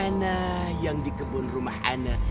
anak yang di kebun rumah anak